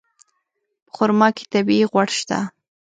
په خرما کې طبیعي غوړ شته.